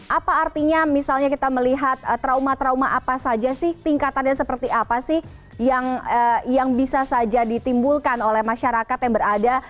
apa artinya misalnya kita melihat trauma trauma apa saja sih tingkatannya seperti apa sih yang bisa saja ditimbulkan oleh masyarakat yang berada